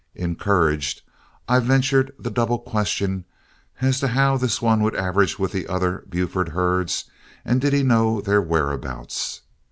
Encouraged, I ventured the double question as to how this one would average with the other Buford herds, and did he know their whereabouts.